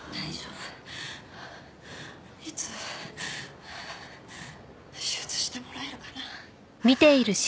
いつ手術してもらえるかな？